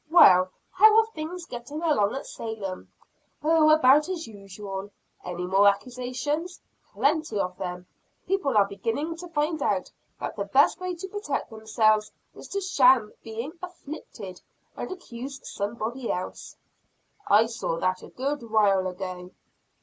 "Well, how are things getting along at Salem?" "Oh, about as usual!" "Any more accusations?" "Plenty of them, people are beginning to find out that the best way to protect themselves is to sham being 'afflicted,' and accuse somebody else." "I saw that a good while ago."